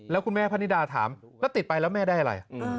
แล้วคุณแม่พะนิดาถามแล้วติดไปแล้วแม่ได้อะไร